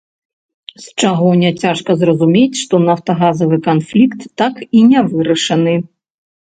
З чаго няцяжка зразумець, што нафтагазавы канфлікт так і не вырашаны.